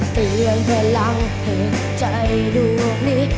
เตือนแพร่ลังเผ็ดใจด้วยห่วงนี้